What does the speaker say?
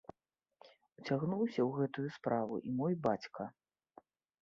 Уцягнуўся ў гэту справу і мой бацька.